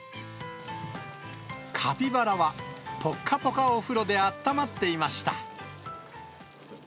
カピバラは、ぽっかぽかお風呂で温まっていました。